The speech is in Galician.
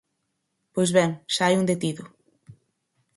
Pois ben, xa hai un detido.